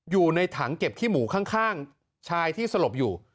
อยู่ในถังเก็บขี้หมูข้างชายที่สลบอยู่